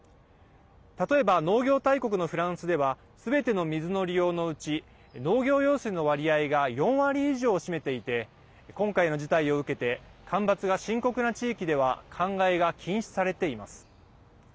例えば農業大国のフランスではすべての水の利用のうち農業用水の割合が４割以上を占めていて今回の事態を受けて干ばつが深刻な地域ではかんがいが禁止されています。